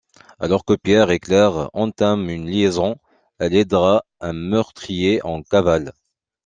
Alors que Pierre et Claire entament une liaison, elle aidera un meurtrier en cavale.